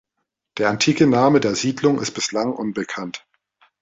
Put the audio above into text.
Der antike Name der Siedlung ist bislang unbekannt.